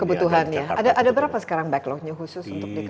ya kebutuhan ya ada berapa sekarang backlognya khusus untuk dikainin